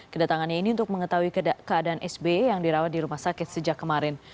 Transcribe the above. kedatangannya ini untuk mengetahui keadaan sb yang dirawat di rumah sakit sejak kemarin